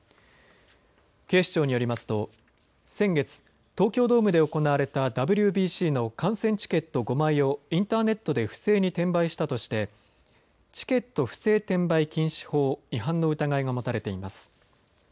警視庁によりますと先月、東京ドームで行われたＷＢＣの観戦チケット５枚をインターネットで不正に転売したとしてチケット不正転売禁止法違反の疑いが持たれています。